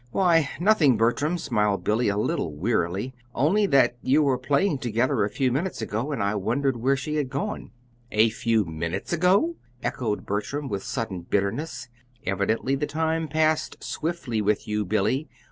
"Why, nothing, Bertram," smiled Billy, a little wearily; "only that you were playing together a few minutes ago, and I wondered where she had gone." "'A few minutes ago'!" echoed Bertram with sudden bitterness. "Evidently the time passed swiftly with you, Billy.